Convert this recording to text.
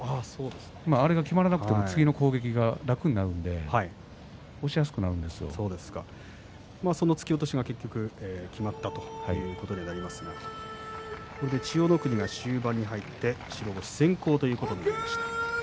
あれが決まらなくても次の攻撃が楽になるんでその突き落としが結局きまったということにはなりますがこれで千代の国が終盤に入って白星先行ということになりました。